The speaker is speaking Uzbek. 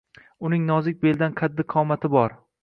Uning nozik belidan qaddi-qomati bor